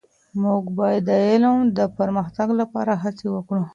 موږ باید د علم د پرمختګ لپاره هڅې وکړو.